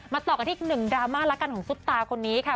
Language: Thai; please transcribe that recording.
มาต่อกันทิศ๑ดรามางวล์ละกันของสู้ตาคนนี้ค่ะ